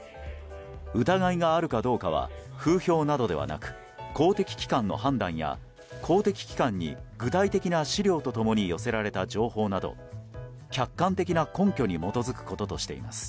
疑いがあるかどうかは風評などではなく公的機関の判断や、公的機関に具体的な資料と共に寄せられた情報など客観的な根拠に基づくこととしています。